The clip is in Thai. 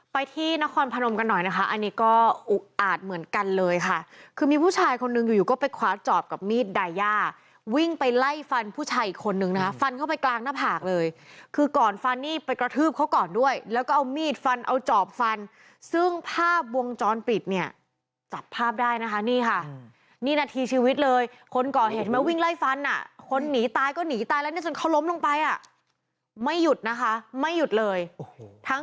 ไปที่นครพนมกันหน่อยนะคะอันนี้ก็อุ๊กอาดเหมือนกันเลยค่ะคือมีผู้ชายคนหนึ่งอยู่อยู่ก็ไปคว้าจอบกับมีดไดยาวิ่งไปไล่ฟันผู้ชายอีกคนหนึ่งนะฟันเข้าไปกลางหน้าผากเลยคือก่อนฟันนี่ไปกระทืบเขาก่อนด้วยแล้วก็เอามีดฟันเอาจอบฟันซึ่งภาพบวงจรปิดเนี่ยจับภาพได้นะคะนี่ค่ะนี่นัททีชีวิตเลยคนก่อเห็นไหมวิ่ง